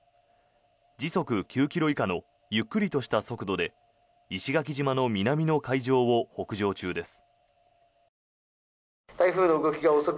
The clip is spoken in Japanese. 時速９ｋｍ以下のゆっくりとした速度で石垣島の南の海上を北上中です。